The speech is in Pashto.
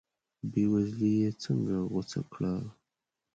بې وزلي یې څنګه غوڅه کړه.